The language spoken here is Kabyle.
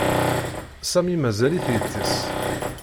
Sami mazal-it yettess.